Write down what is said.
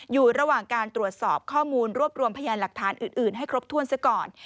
อยู่ระหว่างการตรวจสอบข้อมูลรวบรวมพยานหลักฐานอื่นให้ครบถ้วนซะก่อน